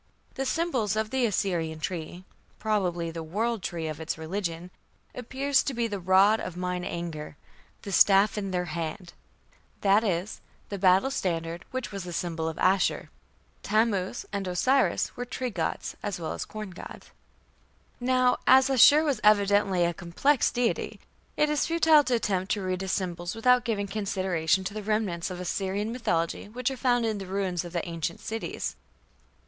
The symbol of the Assyrian tree probably the "world tree" of its religion appears to be "the rod of mine anger ... the staff in their hand"; that is, the battle standard which was a symbol of Ashur. Tammuz and Osiris were tree gods as well as corn gods. Now, as Ashur was evidently a complex deity, it is futile to attempt to read his symbols without giving consideration to the remnants of Assyrian mythology which are found in the ruins of the ancient cities.